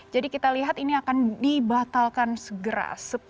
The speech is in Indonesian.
jadi kita lihat ini akan dibatalkan segera